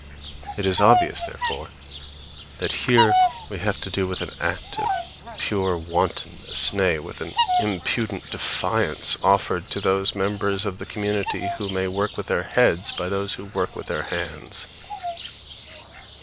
It is obvious, therefore, that here we have to do with an act of pure wantonness; nay, with an impudent defiance offered to those members of the community who work with their heads by those who work with their hands.